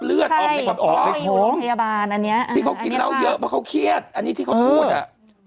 อ๋ออยู่โรคพยาบาลอันนี้ที่เขากินเหล้าเยอะเพราะเขาเครียดอันนี้ที่เขาพูด